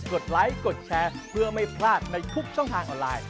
ดไลค์กดแชร์เพื่อไม่พลาดในทุกช่องทางออนไลน์